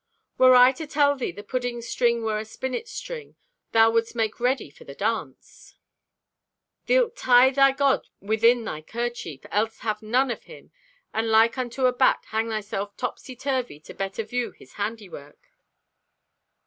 "Were I to tell thee the pudding string were a spinet's string, thou wouldst make ready for the dance." "Thee'lt tie thy God within thy kerchief, else have none of Him, and like unto a bat, hang thyself topsy turvy to better view His handiwork."